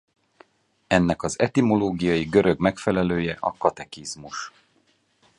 Ennek az etimológiai görög megfelelője a katekizmus.